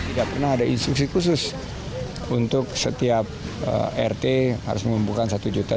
tidak pernah ada instruksi khusus untuk setiap rt harus mengumpulkan satu juta